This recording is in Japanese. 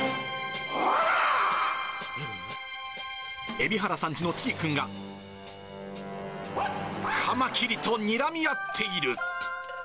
海老原さんちのちぃくんが、カマキリとにらみ合っている。